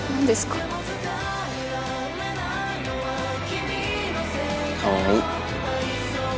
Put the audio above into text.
かわいい。